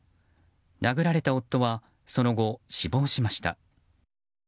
殴られた夫はその後死亡しました。